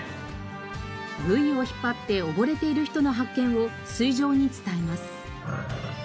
ブイを引っ張って溺れている人の発見を水上に伝えます。